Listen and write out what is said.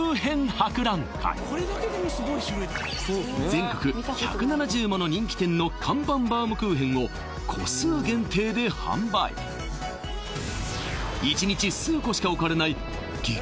全国１７０もの人気店の看板バウムクーヘンを個数限定で販売一日数個しか置かれない激